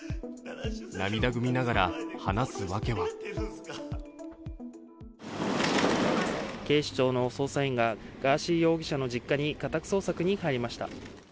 涙ぐみながら話す訳は警視庁の捜査員がガーシー容疑者の家宅捜索に入りました。